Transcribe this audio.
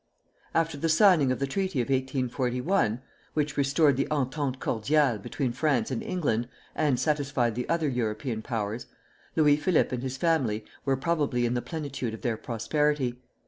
After the signing of the treaty of 1841, which restored the entente cordiale between France and England, and satisfied the other European Powers, Louis Philippe and his family were probably in the plenitude of their prosperity.